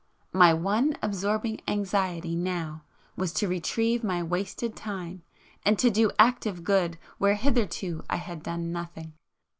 My one absorbing anxiety now was to retrieve my wasted time, and to do active good where hitherto I had done nothing!